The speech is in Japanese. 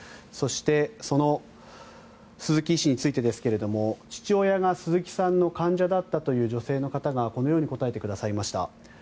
そしてその鈴木医師についてですが父親が鈴木さんの患者だったという女性の方がこのように答えてくださいました。